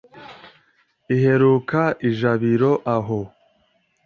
Iheruka ijabiro aho